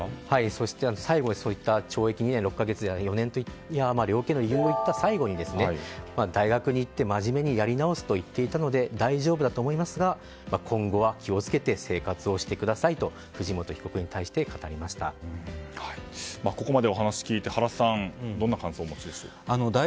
そして、最後にそういった懲役２年６か月執行猶予４年といったあとに大学に行って、まじめにやり直すといっていたので大丈夫だと思いますが今後は気を付けて生活してくださいとここまでお話を聞いて原さんはどんな感想をお持ちでしょうか。